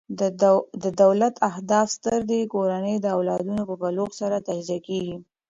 د دولت اهداف ستر دي؛ کورنۍ د او لادونو په بلوغ سره تجزیه کیږي.